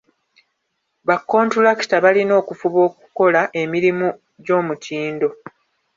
Bakkontulakita balina okufuba okukola emirumu gy'omutindo.